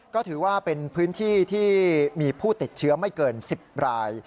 ก็ถือว่าเป็นพื้นที่ที่มีผู้ติดเชื้อไม่เกิน๑๐ราย